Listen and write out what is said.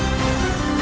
aku akan menangkapmu